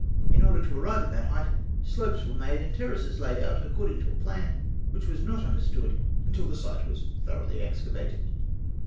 In order to arrive at that height, slopes were made and terraces laid out according to a plan which was not understood until the site was thoroughly excavated.